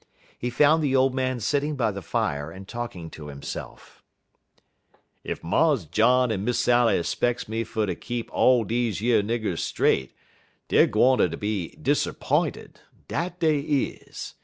He found the old man sitting by the fire and talking to himself: "Ef Mars John and Miss Sally 'specks me fer ter keep all deze yer niggers straight deyer gwine ter be diserp'inted, dat dey is.